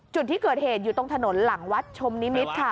จุดที่เกิดเหตุอยู่ตรงถนนหลังวัดชมนิมิตรค่ะ